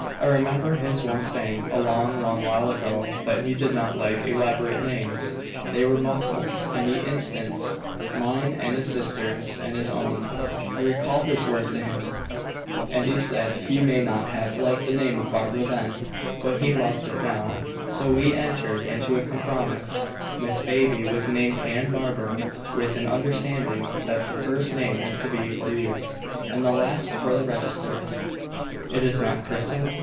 I remember his once saying, a long, long while ago that he did not like elaborate names; they were mouthfuls; and he instanced mine and his sister's, and his own. I recalled his words to him, and he said he may not have liked the name of Barbara then, but he loved it now. So we entered into a compromise; Miss Baby was named Anne Barbara, with an understanding that the first name is to be for use, and the last for the registers." "It is not christened?"